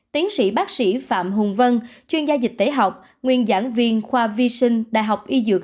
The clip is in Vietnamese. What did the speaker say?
tiến sĩ bác sĩ phạm hùng vân chuyên gia dịch tế học nguyên giảng viên khoa vision đại học y dược